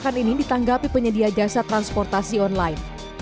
keputusan ma ini ditanggapi penyedia jasa transportasi online